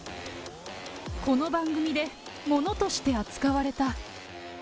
この番組でものとして扱われた。